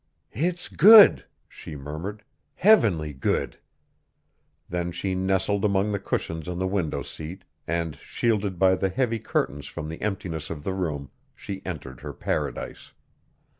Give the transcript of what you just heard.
"It's good!" she murmured; "heavenly good!" Then she nestled among the cushions on the window seat, and, shielded by the heavy curtains from the emptiness of the room, she entered her paradise.